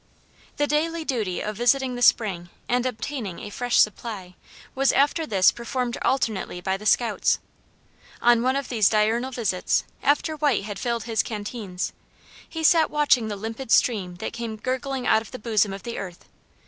The daily duty of visiting the spring and obtaining a fresh supply, was after this performed alternately by the scouts. On one of these diurnal visits, after White had filled his canteens, he sat watching the limpid stream that came gurgling out of the bosom of the earth.